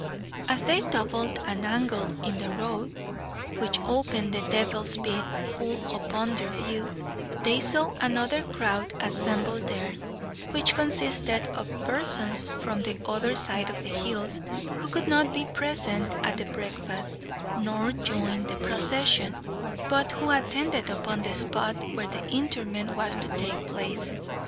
As they doubled an angle in the road, which opened the Devil's Bit full upon their view, they saw another crowd assembled there, which consisted of persons from the other side of the hills, who could not be present at the breakfast, nor join the procession, but who attended upon the spot where the interment was to take place.